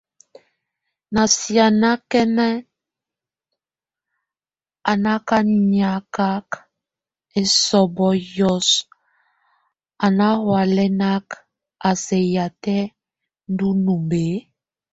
Nasianakɛn, a nákaniakak esɔbɔ́ yɔ́s, a ná hɔalɛnak, a sɛk yatɛ́ ndunumb e?